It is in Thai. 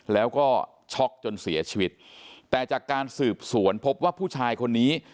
แล้วก็ช็อกจนเสียชีวิตแต่จากการสืบสวนพบว่าผู้ชายคนนี้